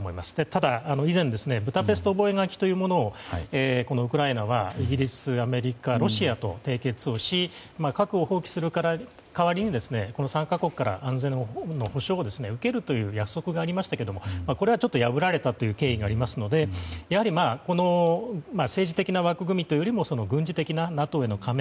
ただ、以前ブダペスト覚書というものをウクライナはイギリス、アメリカ、ロシアと締結し核を放棄する代わりにこの３か国から安全の保障を受けるという約束がありましたがこれは破られたという経緯がありますので政治的な枠組みというよりも軍事的なＮＡＴＯへの加盟。